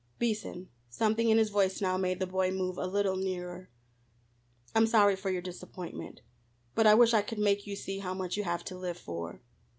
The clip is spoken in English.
"Beason," something in his voice now made the boy move a little nearer "I'm sorry for your disappointment, but I wish I could make you see how much you have to live for.